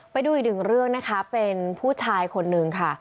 ไปดูอีกหนึ่งเรื่องนะคะเป็นผู้ชายคนนึงค่ะ